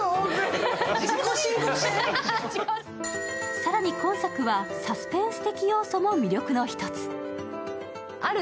更に今作はサスペンス的要素も魅力の一つ。